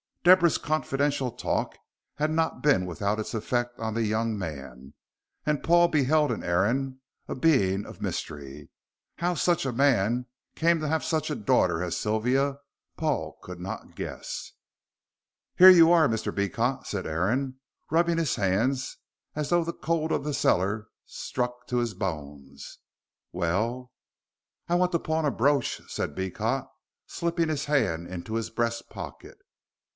Deborah's confidential talk had not been without its effects on the young man, and Paul beheld in Aaron a being of mystery. How such a man came to have such a daughter as Sylvia, Paul could not guess. "Here you are, Mr. Beecot," said Aaron, rubbing his hands as though the cold of the cellar struck to his bones. "Well?" "I want to pawn a brooch," said Beecot, slipping his hand into his breast pocket.